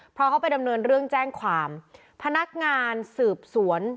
เพราะเขาไปดำเนินเรื่องแจ้งความพนักงานสืบสวน